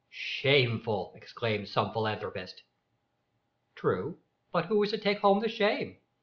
"Shameful!" exclaims some philanthropist. True, but who is to take home the shame?